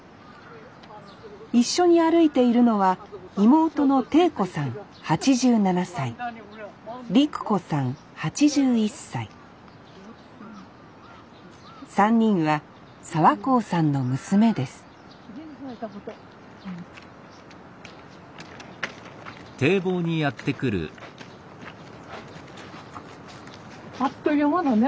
一緒に歩いているのは３人は澤幸さんの娘ですあっという間だね。